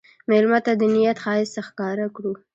مېلمه ته د نیت ښایست ښکاره کړه.